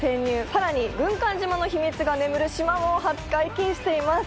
さらに軍艦島の秘密が眠る島も初解禁しています。